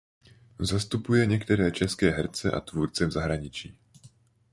Zastupuje některé české herce a tvůrce v zahraničí.